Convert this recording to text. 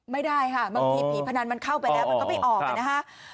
ไม่ได้ค่ะบางทีผีพนันมันเข้าไปแล้วมันก็ไม่ออกนะฮะ